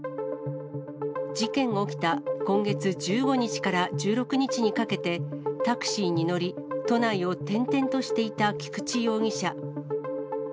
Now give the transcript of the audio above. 事件が起きた今月１５日から１６日にかけて、タクシーに乗り、都内を転々としていた菊池容疑者。